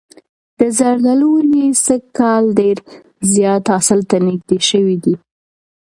د زردالو ونې سږ کال ډېر زیات حاصل ته نږدې شوي دي.